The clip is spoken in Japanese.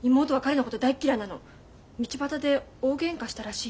道端で大げんかしたらしいよ。